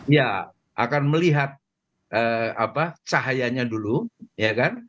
ya akan melihat cahayanya dulu ya kan